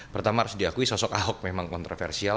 pertama harus diakui sosok ahok memang kontroversial